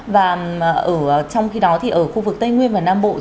và trong khi đó thì ở khu vực tây nguyên và nam bộ